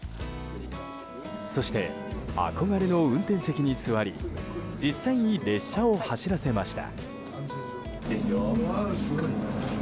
そして、憧れの運転席に座り実際に列車を走らせました。